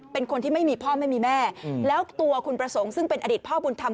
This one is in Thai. เป็นคนที่ไม่มีพ่อไม่มีแม่แล้วตัวคุณประสงค์ซึ่งเป็นอดีตพ่อบุญธรรม